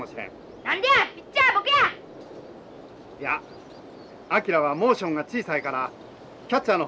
いや昭はモーションが小さいからキャッチャーの方が合うとる。